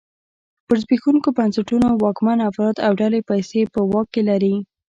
پر زبېښونکو بنسټونو واکمن افراد او ډلې پیسې په واک کې لري.